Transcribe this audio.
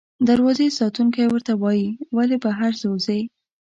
دروازې ساتونکی ورته وایي، ولې بهر وځې؟